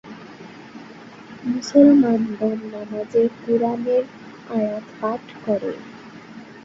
মুসলমানগণ নামাযে কুরআনের আয়াত পাঠ করে।